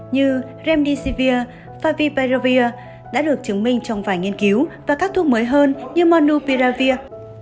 như remdesivir và vipiravir đã được chứng minh trong vài nghiên cứu và các thuốc mới hơn như monupiravir